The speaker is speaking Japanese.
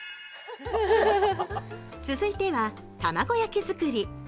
続いては玉子焼き作り。